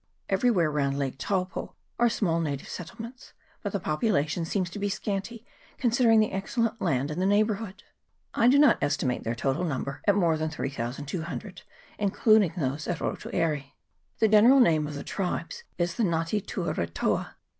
Everywhere round Lake Taupo are small native settlements, but the population seems to be scanty, considering the excellent land in the neighbour hood. I do not estimate their total number at CHAP. XXIV.] LAKE TAUPO. 361 more than 3200, including those at Rotu Aire. The general name of the tribes is the Nga te tua retoa.